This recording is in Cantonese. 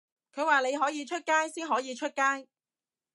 佢話你可以出街先可以出街